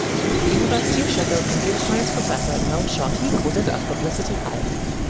University of Sheffield computer science professor Noel Sharkey called it "a publicity hype".